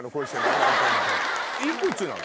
いくつなの？